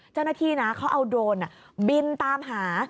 เจ้าหน้าที่นะเขาเอาโดรนบินตามหา